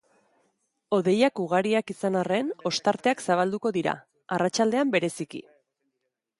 Hodeiak ugariak izan arren, ostarteak zabalduko dira, arratsaldean bereziki.